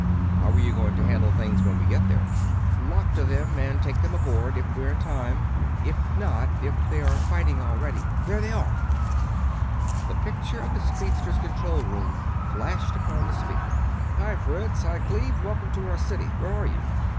"How are you going to handle things when we get there?" "Lock to them and take them aboard, if we're in time. If not, if they are fighting already there they are!" The picture of the speedster's control room flashed upon the speaker. "Hi, Fritz! Hi, Cleve! Welcome to our city! Where are you?"